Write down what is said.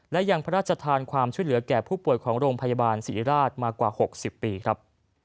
และยังพระราชทานความช่วยเหลือแก่ผู้ป่วยของโรงพยาบาลศิริราชมากว่า๖๐ปีครับ